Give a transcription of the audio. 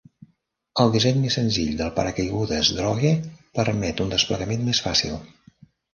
El disseny més senzill del paracaigudes drogue permet un desplegament més fàcil.